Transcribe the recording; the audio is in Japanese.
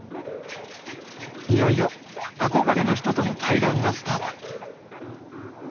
いよいよ憧れの人との対談がスタート。